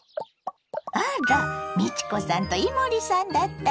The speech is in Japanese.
あら美智子さんと伊守さんだったの？